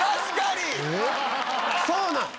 そうだ！